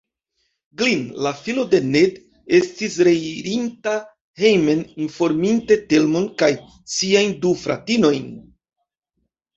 Glin, la filo de Ned, estis reirinta hejmen, informinte Telmon kaj siajn du fratinojn.